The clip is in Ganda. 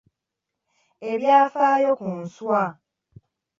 Ebyafaayo ku nswa.